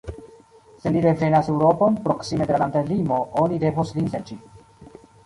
Se li revenas Eŭropon, proksime de la landlimo oni devos lin serĉi.